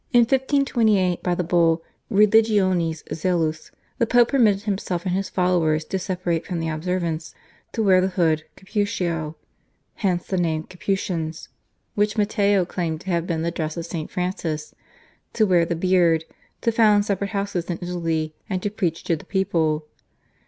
In 1528 by the Bull, /Religionis Zelus/ the Pope permitted himself and his followers to separate from the Observants, to wear the hood (/cappuccio/, hence the name Capuchins) which Matteo claimed to have been the dress of St. Francis, to wear the beard, to found separate houses in Italy, and to preach to the people.